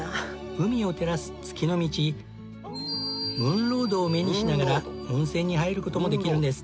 海を照らす月の道ムーンロードを目にしながら温泉に入る事もできるんです。